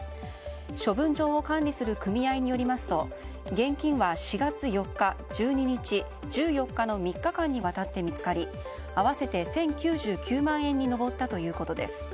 処分場を管理する組合によりますと現金は４月４日１２日、１４日の３日間にわたって見つかり合わせて１０９９万円に上ったということです。